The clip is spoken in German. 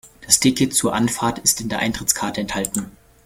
Das Ticket zur Anfahrt ist in der Eintrittskarte enthalten.